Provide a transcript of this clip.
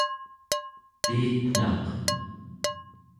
piitnaq